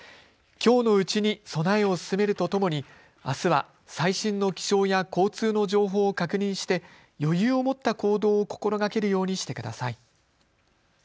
きょうのうちに備えを進めるとともにあすは最新の気象や交通の情報を確認して余裕を持った行動を心がけるようにしてください。